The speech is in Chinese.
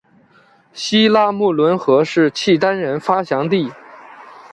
西拉木伦河是契丹人发祥地。